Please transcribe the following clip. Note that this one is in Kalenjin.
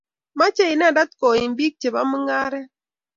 Mache inendet koim pik che ba mungaret